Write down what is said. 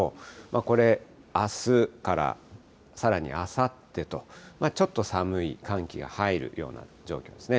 これ、あすからさらにあさってと、ちょっと寒い、寒気が入るような状況ですね。